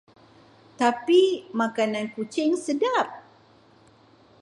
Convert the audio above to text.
Tapi, makanan kucing sedap.